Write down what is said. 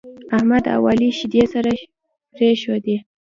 احمد او عالي شيدې سره پرېښودې.